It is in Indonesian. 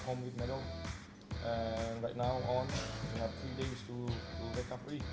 kita ada tiga hari untuk kembali ke cup